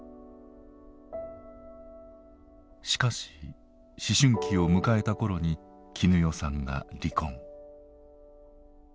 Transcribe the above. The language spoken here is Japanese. しかし思春期を迎えた頃に絹代さんが離婚。